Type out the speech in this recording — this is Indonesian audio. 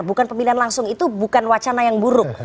bukan pemilihan langsung itu bukan wacana yang buruk